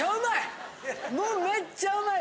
めっちゃうまい！